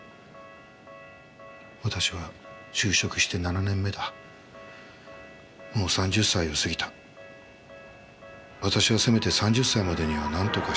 私は就職して七年目だ、もう三十歳を過ぎた、私はせめて三十歳までには何とかしたかった。